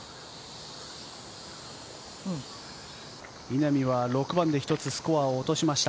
稲見は６番で１つスコアを落としました。